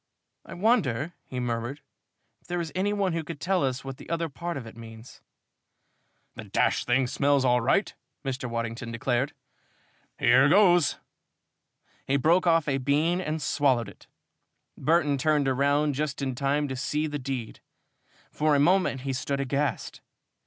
"I wonder," he murmured, "if there is any one who could tell us what the other part of it means?" "The d d thing smells all right," Mr. Waddington declared. "Here goes!" He broke off a brown bean and swallowed it. Burton turned round just in time to see the deed. For a moment he stood aghast.